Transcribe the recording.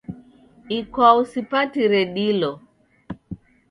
Ikwau sipatire dilo